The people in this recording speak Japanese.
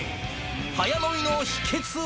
早飲みの秘けつは。